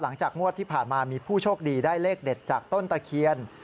งวดที่ผ่านมามีผู้โชคดีได้เลขเด็ดจากต้นตะเคียน